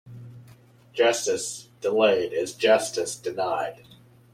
Justice delayed is justice denied.